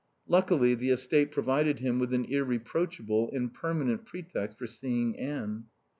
Luckily the estate provided him with an irreproachable and permanent pretext for seeing Anne.